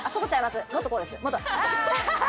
もっとこうです」